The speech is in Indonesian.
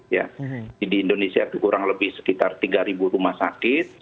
jadi di indonesia itu kurang lebih sekitar tiga rumah sakit